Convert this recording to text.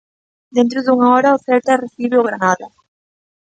Dentro dunha hora o Celta recibe o Granada.